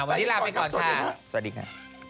วันนี้ลาไปก่อนค่ะสวัสดีค่ะ